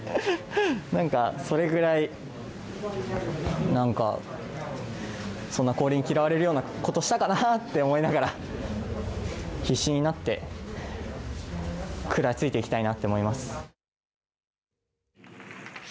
なんかそれぐらいなんか、その氷に嫌われるようなことしたかなと思いながら必死になって食らいついていきたいなって思います。